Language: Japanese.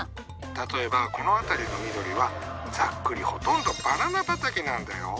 例えばこの辺りの緑はざっくりほとんどバナナ畑なんだよ。